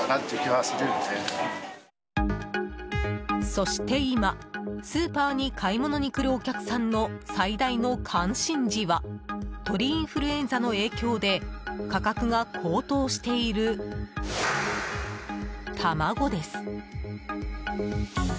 そして今、スーパーに買い物に来るお客さんの最大の関心事は鳥インフルエンザの影響で価格が高騰している卵です。